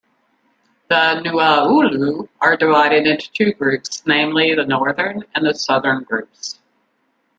The Nuaulu are divided into two groups, namely the northern and the southern groups.